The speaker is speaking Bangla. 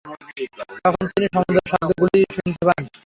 তখন তিনি সমুদয় শব্দ শুনিতে পান।